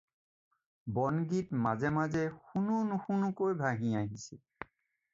বনগীত মাজে মাজে শুনো-নুশুনোকৈ ভাহি আহিছিল।